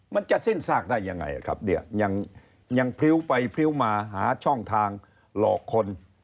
มันจะสิ้นซากได้ยังไงครับเนี่ยยังพริ้วไปพริ้วมาหาช่องทางหลอกคน